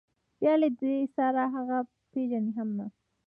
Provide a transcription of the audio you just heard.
بیا له ده سره هغه پېژني هم نه.